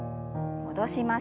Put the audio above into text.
戻します。